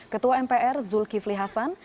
ketua mpr zulkifli hasan